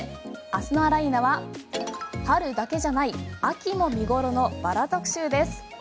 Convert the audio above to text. そして明日のあら、いーな！は春だけじゃない秋も見頃のバラ特集です。